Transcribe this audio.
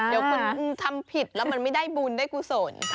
เดี๋ยวคุณทำผิดแล้วมันไม่ได้บุญได้กุศล